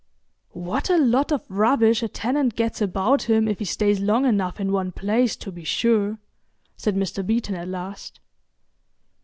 "What a lot of rubbish a tenant gets about him if he stays long enough in one place, to be sure," said Mr. Beeton, at last.